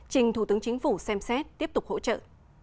trình thủ tướng chính phủ xem xét tiếp tục hỗ trợ